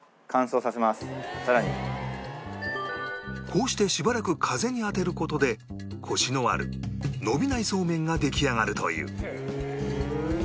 こうしてしばらく風に当てる事でコシのある伸びないそうめんが出来上がるという